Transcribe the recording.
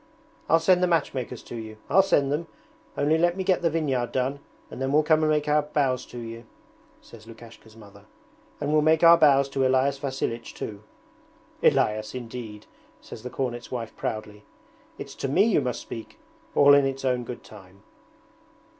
'I'll send the matchmakers to you I'll send them! Only let me get the vineyard done and then we'll come and make our bows to you,' says Lukashka's mother. 'And we'll make our bows to Elias Vasilich too.' 'Elias, indeed!' says the cornet's wife proudly. 'It's to me you must speak! All in its own good time.'